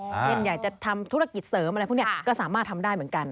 เช่นอยากจะทำธุรกิจเสริมอะไรพวกนี้ก็สามารถทำได้เหมือนกัน